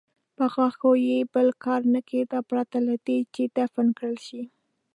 په غوښو یې بل کار نه کېده پرته له دې چې دفن کړل شي.